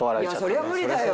いやそりゃ無理だよ。